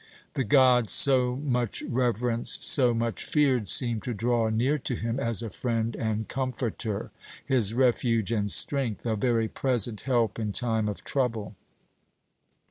The God so much reverenced, so much feared, seemed to draw near to him as a friend and comforter, his refuge and strength, "a very present help in time of trouble."